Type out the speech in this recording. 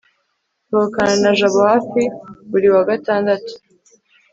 nsohokana na jabo hafi buri wa gatandatu